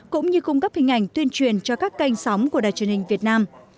cũng như cung cấp hình ảnh tuyên truyền cho các kênh sóng của đài truyền hình việt nam